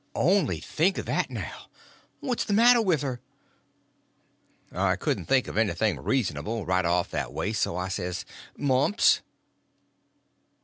"Only think of that, now! What's the matter with her?" I couldn't think of anything reasonable, right off that way, so I says: "Mumps."